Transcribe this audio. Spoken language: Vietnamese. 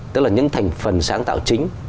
tức là những thành phần sáng tạo chính